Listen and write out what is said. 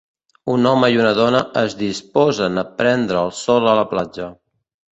Un home i una dona es disposen a prendre el sol a la platja.